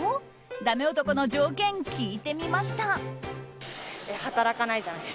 ダメ男の条件聞いてみました。